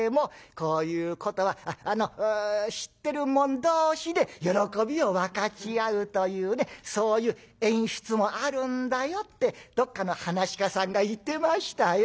こういうことは知ってる者同士で喜びを分かち合うというねそういう演出もあるんだよってどっかの噺家さんが言ってましたよ」。